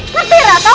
ngerti gak tau